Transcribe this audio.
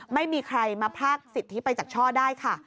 ไม่มีใครมาพากสิทธิไปจากช่อได้ค่ะ